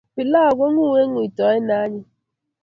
Pilau konguu eng ngutoet ne anyiny